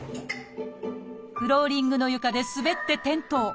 フローリングの床で滑って転倒。